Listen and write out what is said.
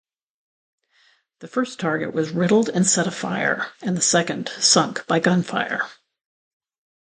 The first target was riddled and set afire, and the second sunk by gunfire.